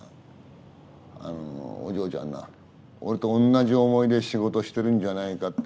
あのお嬢ちゃんな俺と同じ思いで仕事してるんじゃないかって。